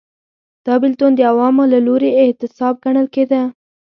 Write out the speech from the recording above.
دا بېلتون د عوامو له لوري اعتصاب ګڼل کېده.